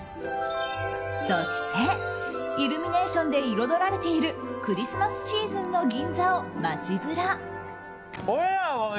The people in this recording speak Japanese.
そしてイルミネーションで彩られているクリスマスシーズンの銀座を街ブラ。